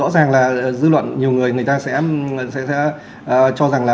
rõ ràng là dư luận nhiều người người ta sẽ cho rằng là